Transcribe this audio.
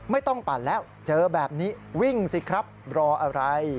ไม่ต้องปันแล้วเจอแบบนี้วิ่งสิครับรออะไร